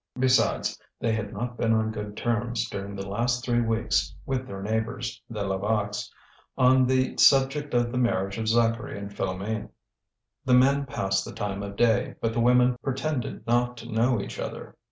Besides, they had not been on good terms during the last three weeks with their neighbours, the Levaques, on the subject of the marriage of Zacharie and Philoméne. The men passed the time of day, but the women pretended not to know each other.